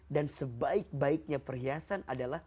sebaik baiknya perhiasan adalah